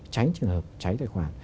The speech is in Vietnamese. tránh trường hợp cháy tài khoản